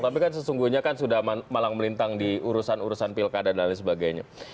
tapi kan sesungguhnya kan sudah malang melintang di urusan urusan pilkada dan lain sebagainya